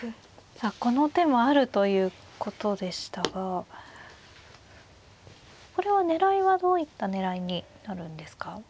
さあこの手もあるということでしたがこれは狙いはどういった狙いになるんですか。